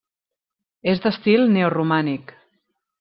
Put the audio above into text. És d'estil Neoromànic.